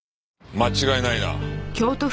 間違いないな。